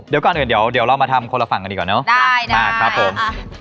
เดี๋ยวก่อนอื่นเดี๋ยวเรามาทำคนละฝั่งกันดีกว่าเนอะได้มากครับผม